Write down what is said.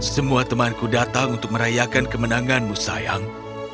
semua temanku datang untuk merayakan kemenanganmu sayang